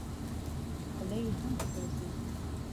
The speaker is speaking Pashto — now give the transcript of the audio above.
خوله یې هم سوځي .